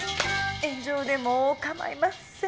炎上でも構いません。